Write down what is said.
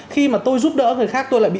khi mà tôi giúp đỡ người khác tôi lại bị